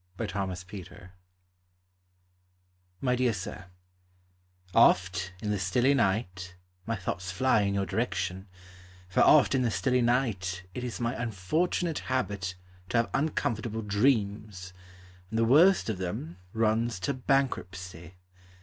TO AN HOTEL KEEPER My dear Sir, Oft in the stilly night My thoughts fly In your direction, For oft in the stilly night It is my unfortunate habit To have uncomfortable dreams, And the worst of them Runs to bankruptcy.